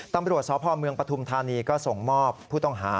ตำรวจสพเมืองปฐุมธานีก็ส่งมอบผู้ต้องหา